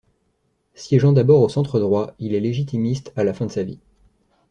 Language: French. Siégeant d'abord au centre droit, il est légitimiste à la fin de sa vie.